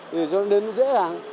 thì cho nên nó dễ làm